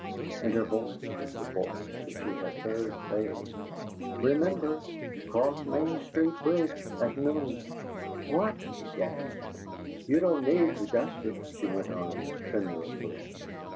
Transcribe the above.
And her voice was the voice which he had heard saying, "REMEMBER! ACROSS MAIN STREET BRIDGE AT NOON!" "WHAT!" he gasped. "You don't need to dust it!" she went on, tremulously.